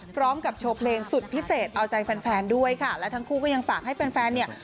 พร้อมกับโชว์เพลงสุดพิเศษเอาใจแฟนแฟนด้วยค่ะและทั้งคู่ก็ยังฝากให้แฟนแฟนเนี่ย